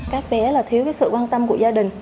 các bé là thiếu cái sự quan tâm của gia đình